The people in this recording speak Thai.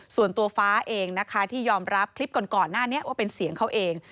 ส่วนตัวฟ้าเองนะคะที่ยอมรับคลิปก่อนหน้านี้ว่าเป็นเสียงเขาเอง